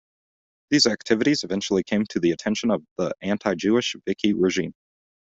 These activities eventually came to the attention of the anti-Jewish Vichy regime.